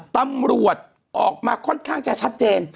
ตำรวจออกมาค่อนข้างจะชัดเจน